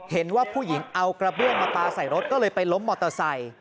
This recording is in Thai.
เห็นว่าผู้หญิงเอากระเบื้องมาปลาใส่รถก็เลยไปล้มมอเตอร์ไซค์